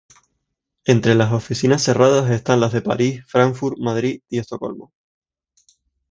Entre las oficinas cerradas están las de París, Fráncfort, Madrid y Estocolmo.